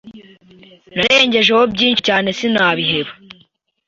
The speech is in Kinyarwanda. Narengejeho byinshi cyane sinabiheba